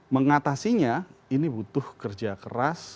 mengatasinya ini butuh kerja keras